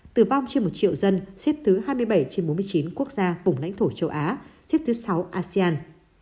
tử vong trên một triệu dân xếp thứ hai mươi bảy trên bốn mươi chín quốc gia vùng lãnh thổ châu á xếp thứ sáu asean